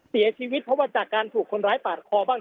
เสียชีวิตเพราะว่าจากการถูกคนร้ายปาดคอบ้าง